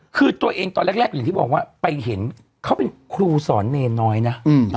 คือตัวเองตอนแรกอย่างที่บอกว่าไปเห็นเขาเป็นครูสอนเนรน้อยนะ